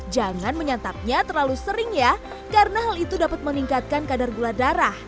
jangan menyantapnya terlalu sering ya karena hal itu dapat meningkatkan kadar gula darah